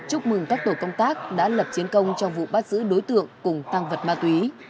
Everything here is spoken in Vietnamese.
chúc mừng các tổ công tác đã lập chiến công trong vụ bắt giữ đối tượng cùng tăng vật ma túy